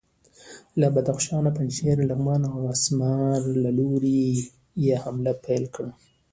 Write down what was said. له بدخشان، پنجشیر، لغمان او اسمار له لوري یې حمله پیل کړه.